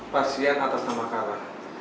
pasien atas nama karla